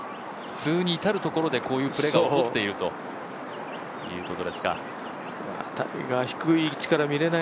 普通に至るところでこういうプレーが起こっているということですか。